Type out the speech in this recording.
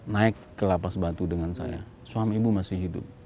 naik ke lapas batu dengan saya suami ibu masih hidup